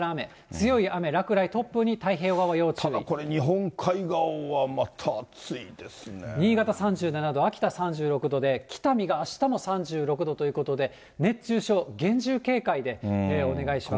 強い雨、落雷、突風に太平洋側はただ、これ、日本海側はまた新潟３７度、秋田３６度で、北見があしたも３６度ということで、熱中症、厳重警戒でお願いします。